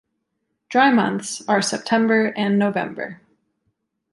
Dry months are September and November.